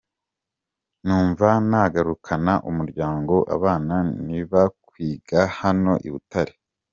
Numva ntagarukana umuryango, abana ntibakwiga hano i Butare.